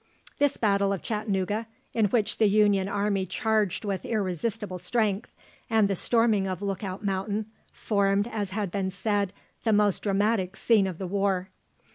This battle of Chattanooga, in which the Union army charged with irresistible strength, and the storming of Lookout Mountain, formed, as has been said, the most dramatic scene of the war.